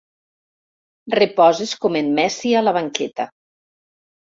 Reposes com en Messi a la banqueta.